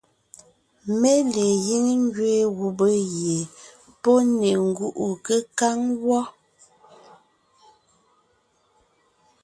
Mé le gíŋ ngẅeen gubé gie pɔ́ ne ngúʼu kékáŋ wɔ́.